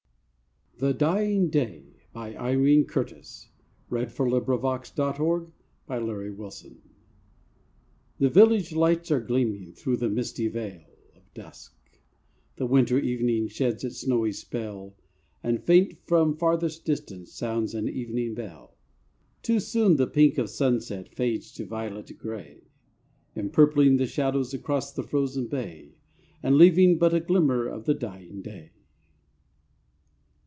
ars, after the death of her grandfather.] MISCELLANEOUS POEMS THE DYING DAY \HE village lights are gleaming Through the misty veil Of dusk; the winter evening Sheds its snowy spell, And faint from farthest distance Sounds an evening bell. Too soon the pink of sunset Fades to violet gray, Empurpling the shadows Across the frozen bay, And leaving but a glimmer Of the dying day.